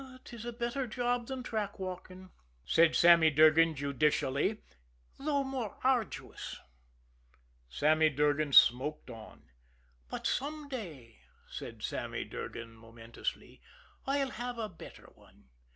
"'Tis a better job than track walking," said Sammy Durgan judicially, "though more arduous." Sammy Durgan smoked on. "But some day," said Sammy Durgan momentously, "I'll have a better one.